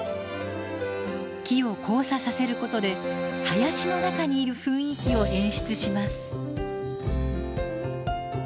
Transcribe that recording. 木を交差させることで林の中にいる雰囲気を演出します。